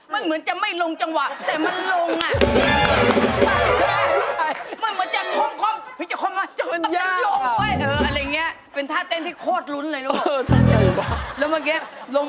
มันเหมือนจะไม่ลงจังหวะแต่มันลงอ่ะ